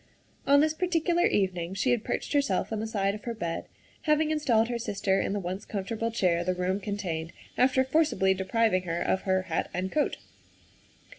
On this particular evening she had perched herself on the side of her bed, having installed her sister in the one comfortable chair the room contained, after forcibly depriving her of her hat and coat.